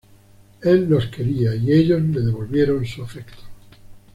Él los quería y ellos le devolvieron su afecto.